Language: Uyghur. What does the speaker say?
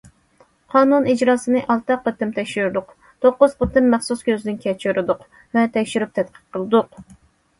قانۇن ئىجراسىنى ئالتە قېتىم تەكشۈردۇق، توققۇز قېتىم مەخسۇس كۆزدىن كەچۈردۇق ۋە تەكشۈرۈپ تەتقىق قىلدۇق.